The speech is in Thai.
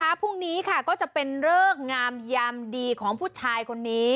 พรุ่งนี้ค่ะก็จะเป็นเลิกงามยามดีของผู้ชายคนนี้